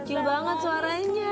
kecil banget suaranya